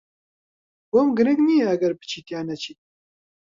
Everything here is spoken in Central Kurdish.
بۆم گرنگ نییە ئەگەر بچیت یان نەچیت.